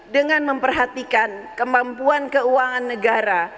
dengan memperhatikan kemampuan keuangan negara